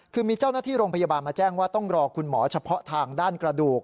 คือมีเจ้าหน้าที่โรงพยาบาลมาแจ้งว่าต้องรอคุณหมอเฉพาะทางด้านกระดูก